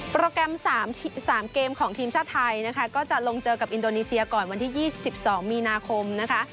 โปรแกรม๓เกมของทีมชาติไทยนะคะก็จะลงเจอกับอินโดนีเซียก่อนวันที่๒๒มีนาคมนะคะ